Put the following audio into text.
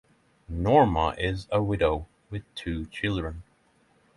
Norma is a widow with two children.